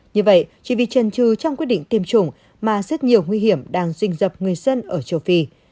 như vậy chỉ vì trần trừ trong quyết định tiêm chủng mà rất nhiều nguy hiểm đang rình dập người dân ở châu phi